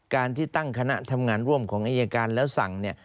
การที่ตั้งคณะทำงานร่วมของอายการแล้วสั่งเนี่ย